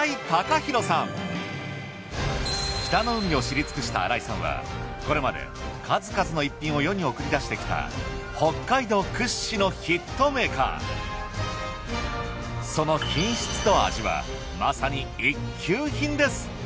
北の海を知り尽くした新井さんはこれまで数々の逸品を世に送り出してきたその品質と味はまさに一級品です。